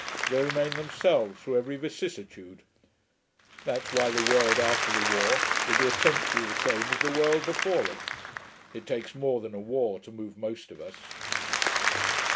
They remain themselves, through every vicissitude. That's why the world after the war will be essentially the same as the world before it; it takes more than a war to move most of us....